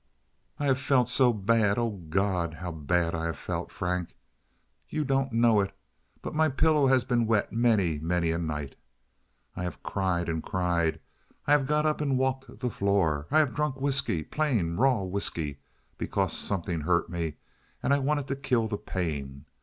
I have felt so bad—O God, how bad I have felt! Frank, you don't know it—but my pillow has been wet many and many a night. I have cried and cried. I have got up and walked the floor. I have drunk whisky—plain, raw whisky—because something hurt me and I wanted to kill the pain.